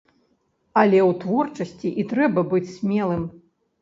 Але ў творчасці і трэба быць смелым!